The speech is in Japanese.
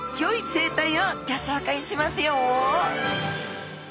生態をギョ紹介しますよ！